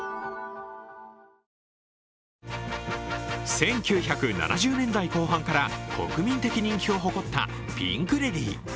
１９７０年代後半から国民的人気を誇ったピンク・レディー。